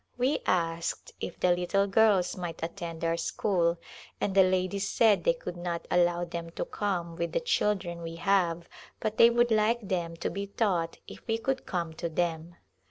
We asked if the little girls might attend our school and the ladies said they could not allow them to come with the children we have but they would like them to be taught if we could come to them.